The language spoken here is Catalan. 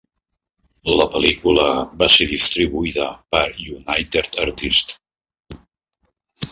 La pel·lícula va ser distribuïda per United Artists.